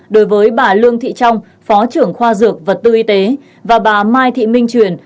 đối với bà lương thị trong phó trưởng khoa dược vật tư y tế và bà mai thị minh truyền